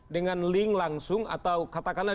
dengan link langsung atau katakanlah